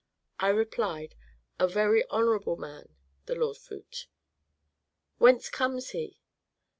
I replied: 'A very honorable man, the lord Phut.' 'Whence comes he?'